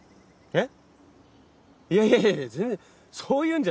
えっ？